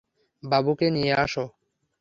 বাবুকে নিয়ে আসো।